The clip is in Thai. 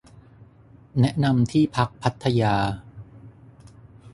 แนะนำที่พักพัทยา